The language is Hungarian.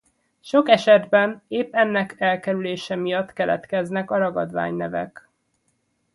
Sok esetben épp ennek elkerülése miatt keletkeznek a ragadványnevek.